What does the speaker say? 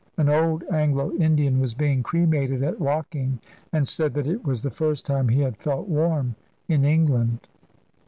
An old Anglo Indian was being cremated at Woking, and said that it was the first time he had felt warm in England."